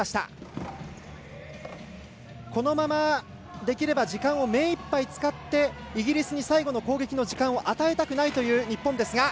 このままできれば時間を目いっぱい使ってイギリスに最後の攻撃の時間を与えたくないという日本ですが。